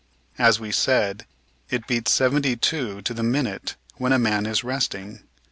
As we said, it beats seventy two to the minute when a man is resting.